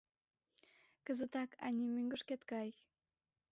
Кызытак, ане, мӧҥгышкет кай!